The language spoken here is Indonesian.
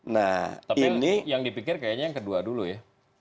tapi yang dipikir kayaknya yang kedua dulu ya